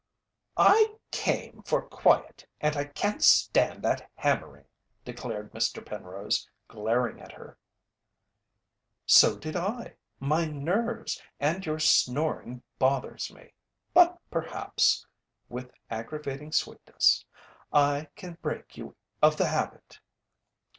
"I came for quiet and I can't stand that hammering," declared Mr. Penrose, glaring at her. "So did I my nerves and your snoring bothers me. But perhaps," with aggravating sweetness, "I can break you of the habit."